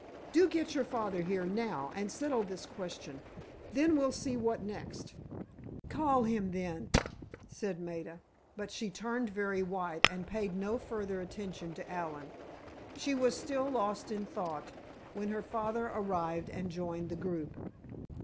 Do get your father here, now, and settle this question. Then, we'll see what next." "Call him, then," said Maida, but she turned very white, and paid no further attention to Allen. She was still lost in thought, when her father arrived and joined the group.